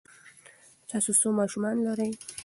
تاسو څو ماشومان لرئ؟